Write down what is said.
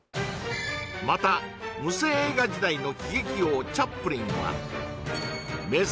また無声映画時代の喜劇王チャップリンは名作